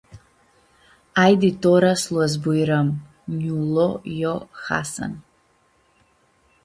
“Aidi tora s-lu azbuirãm” nj-lu lo Hasan.